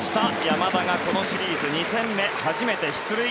山田がこのシリーズ２戦目初めて出塁。